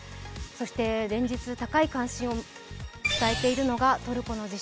連日高い関心を伝えているのがトルコの地震。